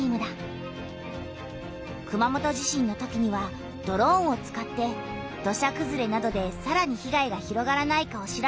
熊本地震のときにはドローンを使って土砂くずれなどでさらに被害が広がらないかを調べたんだ。